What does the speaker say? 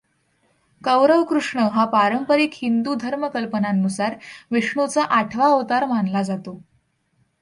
कौरव कृष्ण हा पारंपरिक हिंदू धर्मकल्पनांनुसार विष्णूचा आठवा अवतार मानला जातो.